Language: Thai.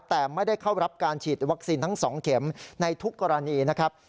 แต่ไม่ได้เข้ารับการฉีดวัคซีนทั้ง๒เข็มในทุกกรณีนะครับ